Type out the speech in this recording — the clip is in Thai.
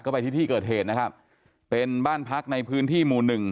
ไปที่ที่เกิดเหตุนะครับเป็นบ้านพักในพื้นที่หมู่หนึ่ง